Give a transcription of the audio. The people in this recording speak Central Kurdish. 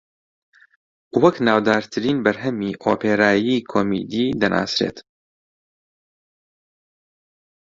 وەک ناودارترین بەرهەمی ئۆپێرایی کۆمیدی دەناسرێت